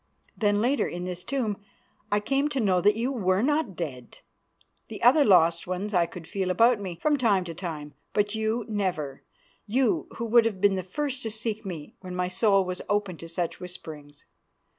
Then later, in this tomb, I came to know that you were not dead. The other lost ones I could feel about me from time to time, but you never, you who would have been the first to seek me when my soul was open to such whisperings.